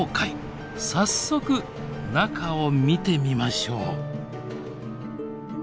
早速中を見てみましょう。